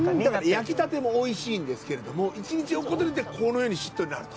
焼きたてもおいしいんですけれども１日置くことによってこのようにしっとりなると。